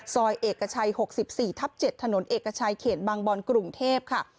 ซอยเอกชัย๖๔ทับ๗ถนนเอกชัยเขตบางบอนกรุงเทพค่ะ